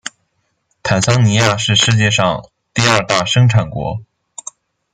坦桑尼亚是世界上第二大生产国。